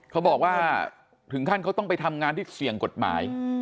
เขาบอกว่าถึงขั้นเขาต้องไปทำงานที่เสี่ยงกฎหมาย